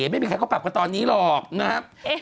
ไม่มีใครเขาปรับกันตอนนี้หรอกนะครับ